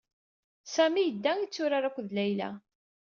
Sami yebda itturar akked Layla.